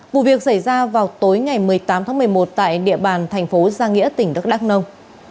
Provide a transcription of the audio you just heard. vụ việc xảy ra vào tối ngày một mươi tám tháng một mươi một tại địa bàn thành phố giang nghĩa tỉnh đắk đắk nông